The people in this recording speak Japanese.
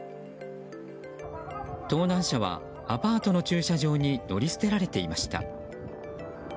盗難車はアパートの駐車場に乗り捨てられていました。